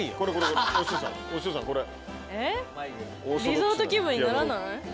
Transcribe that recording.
リゾート気分にならない？